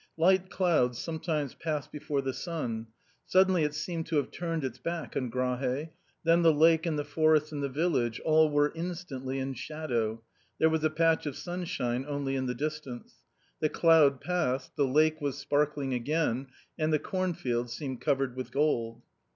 Light clouds sometimes passed before the sun ; suddenly it seemed to have turned its back on Grahse ; then the lake and the forest and the village — all were instantly in shadow ; there was a patch of sunshine only in the distance. The cloud passed — the lake was sparkling again, and the cornfields seemed covered with gold.